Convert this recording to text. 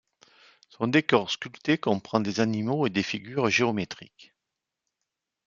Son décor sculpté comprend des animaux et des figures géométriques.